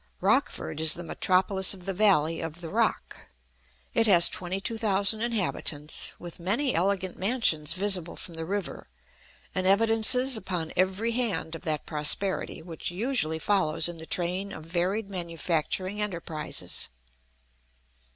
Rockford is the metropolis of the valley of the Rock. It has twenty two thousand inhabitants, with many elegant mansions visible from the river, and evidences upon every hand of that prosperity which usually follows in the train of varied manufacturing enterprises.